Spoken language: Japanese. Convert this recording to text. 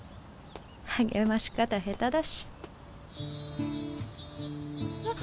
励まし方下手だしえっ？